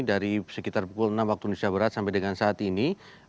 dari sekitar pukul enam waktu indonesia barat sampai dengan saat ini